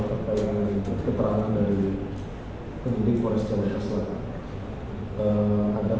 saya ingin menyebut keterangan dari pendidik kores jawa keselatan